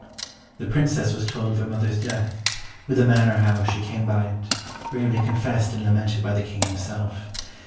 The Princess was told of her mother's death, with the manner how she came by it, bravely confessed and lamented by the King himself.